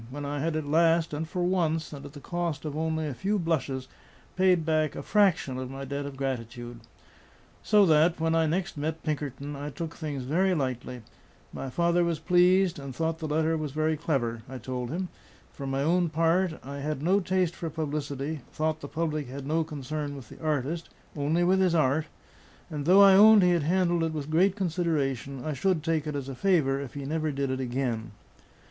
when I had at last, and for once, and at the cost of only a few blushes, paid back a fraction of my debt of gratitude. So that, when I next met Pinkerton, I took things very lightly; my father was pleased, and thought the letter very clever, I told him; for my own part, I had no taste for publicity: thought the public had no concern with the artist, only with his art; and though I owned he had handled it with great consideration, I should take it as a favour if he never did it again.